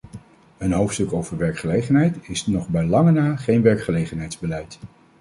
Een hoofdstuk over werkgelegenheid is nog bijlange geen werkgelegenheidsbeleid.